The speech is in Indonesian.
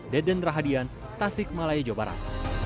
deden rahadian tasik malaya jawa barat